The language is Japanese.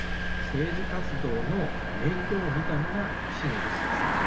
政治活動の面倒を見たのが岸信介さん。